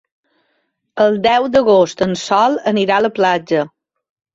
El deu d'agost en Sol anirà a la platja.